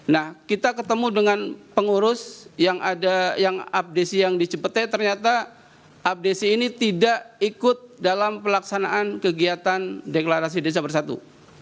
nah kita ketemu dengan pengurus yang ada yang abdesi yang di cepette ternyata abdesi ini tidak ikut dalam pelaksanaan kegiatan deklarasi desa bersatu